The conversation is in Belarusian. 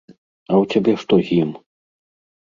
А ў цябе што з ім?